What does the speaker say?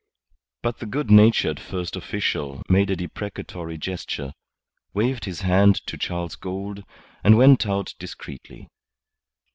But the good natured First Official made a deprecatory gesture, waved his hand to Charles Gould, and went out discreetly.